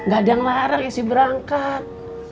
gak ada yang ngelarang acing berangkat